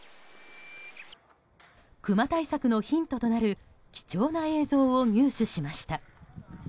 クマ対策のヒントとなる貴重な映像を入手しました。